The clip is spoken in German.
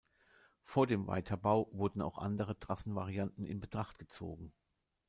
Vor dem Weiterbau wurden auch andere Trassenvarianten in Betracht gezogen.